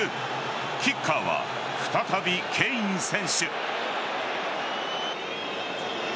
キッカーは再び、ケイン選手。